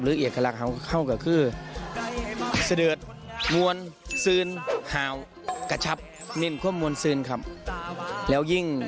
ลืกเอกลักษณ์เข้ากับคือ